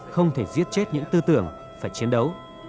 không thể giết chết những tư tưởng phải chiến đấu